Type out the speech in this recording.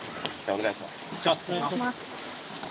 お願いします。